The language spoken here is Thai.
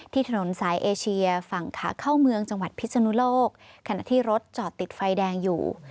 ถนนสายเอเชียฝั่งขาเข้าเมืองจังหวัดพิศนุโลกขณะที่รถจอดติดไฟแดงอยู่